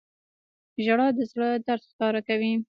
• ژړا د زړه درد ښکاره کوي.